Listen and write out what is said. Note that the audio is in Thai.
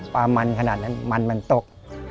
ปลามันขนาดนั้นมันมันตก